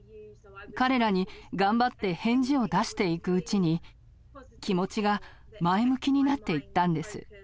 彼らに頑張って返事を出していくうちに気持ちが前向きになっていったんです。